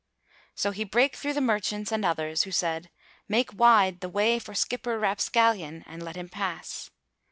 So he brake through the merchants and others, who said, "Make wide the way for Skipper Rapscallion, [FN#244] and let him pass."